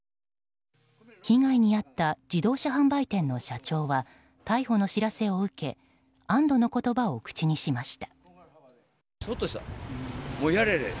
被害に遭った自動車販売店の社長は逮捕の知らせを受け安堵の言葉を口にしました。